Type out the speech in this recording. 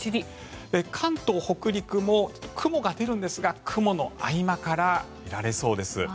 関東・北陸も雲が出るんですが雲の合間から見られそうです。